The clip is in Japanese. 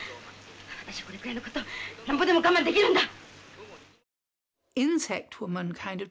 私はこれくらいのこと何ぼでも我慢できるんだ。